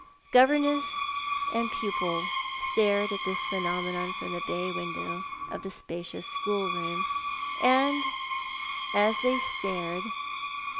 Governesses and pupil stared at this phenomenon from the bay window of the spacious schoolroom, and as they stared the 40 Thoit art the Alan.